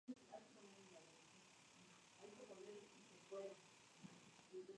Sus ruinas aún no han sido encontradas.